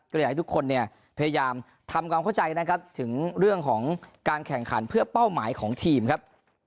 ก็เลยอยากให้ทุกคนเนี่ยพยายามทำความเข้าใจนะครับถึงเรื่องของการแข่งขันเพื่อเป้าหมายของทีมครับ